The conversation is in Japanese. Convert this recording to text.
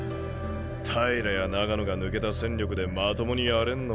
平や長野が抜けた戦力でまともにやれんのか？